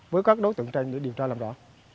với các đối tượng trên để điều tra làm rõ